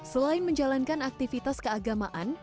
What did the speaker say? selain menjalankan aktivitas keagamaan